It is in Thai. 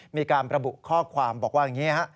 มีการระบุข้อความบอกว่าอย่างนี้ฮะ